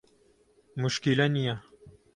موشکیلە نیە.